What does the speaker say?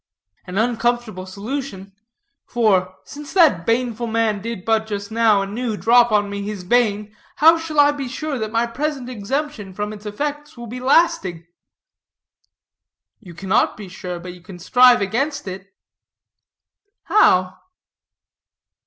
"An uncomfortable solution; for, since that baneful man did but just now anew drop on me his bane, how shall I be sure that my present exemption from its effects will be lasting?" "You cannot be sure, but you can strive against it." "How?"